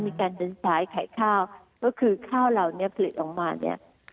มีการเดินสายขายข้าวก็คือข้าวเราเนี่ยผลิตออกมาเนี่ย